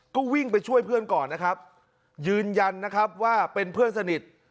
ก็วิ่งไปช่วยเพื่อนก่อนนะครับยืนยันนะครับว่าเป็นเพื่อนสนิท